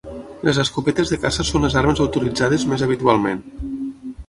Les escopetes de caça són les armes autoritzades més habitualment.